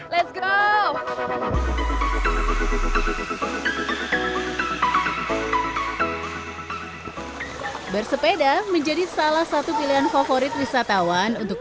let's go bersepeda menjadi salah satu pilihan favorit wisatawan untuk